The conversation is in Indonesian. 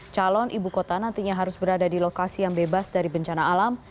calon ibu kota nantinya harus berada di lokasi yang bebas dari bencana alam